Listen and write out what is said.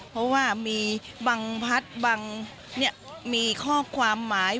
เพราะว่ามีบางพัดบางมีข้อความหมาย